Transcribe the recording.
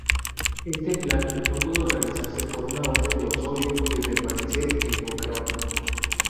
Este plan no pudo realizarse por una orden de Osorio de permanecer en Boquerón.